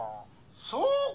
そうか！